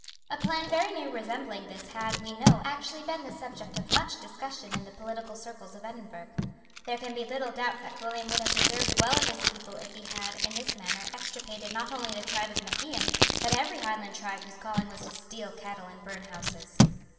A plan very nearly resembling this had, we know, actually been the subject of much discussion in the political circles of Edinburgh. There can be little doubt that William would have deserved well of his people if he had, in this manner, extirpated not only the tribe of Mac Ian, but every Highland tribe whose calling was to steal cattle and burn houses.